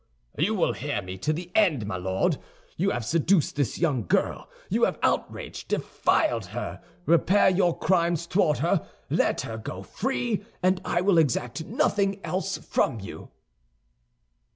"You will hear me to the end, my Lord. You have seduced this young girl; you have outraged, defiled her. Repair your crimes toward her; let her go free, and I will exact nothing else from you."